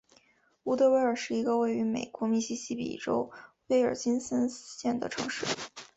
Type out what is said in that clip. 伍德维尔是一个位于美国密西西比州威尔金森县的城市。